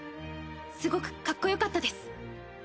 すごくかっこよかったです！